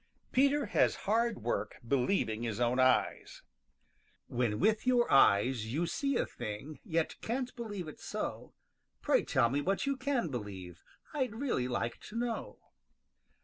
PETER HAS HARD WORK BELIEVING HIS OWN EYES ````When with your eyes you see a thing `````Yet can't believe it so, ````Pray tell me what you can believe. `````I'd really like to know.